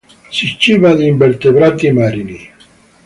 Si ciba di invertebrati marini.